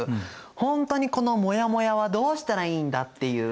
ほんとにこのもやもやはどうしたらいいんだっていう。